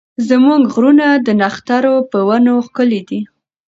زموږ غرونه د نښترو په ونو ښکلي دي.